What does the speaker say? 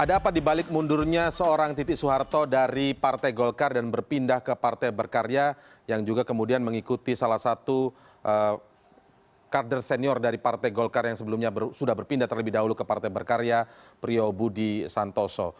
ada apa dibalik mundurnya seorang titi soeharto dari partai golkar dan berpindah ke partai berkarya yang juga kemudian mengikuti salah satu kader senior dari partai golkar yang sebelumnya sudah berpindah terlebih dahulu ke partai berkarya prio budi santoso